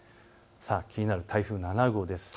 気になる台風７号です。